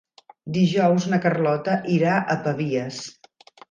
Dijous na Carlota irà a Pavies.